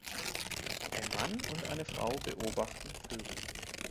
Ein Mann und eine Frau beobachten Vögel.